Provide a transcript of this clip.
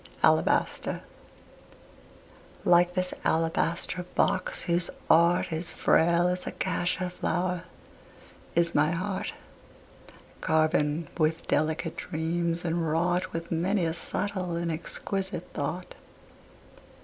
ALABASTER Like this alabaster box whose art Is frail as a cassia flower, is my heart, Carven with delicate dreams and wrought With many a subtle and exquisite thought.